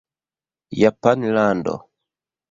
Japanlando